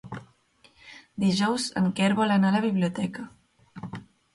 Dijous en Quer vol anar a la biblioteca.